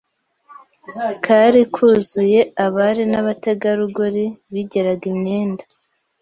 kari kuzuye abari n'abategarugori bigeraga imyenda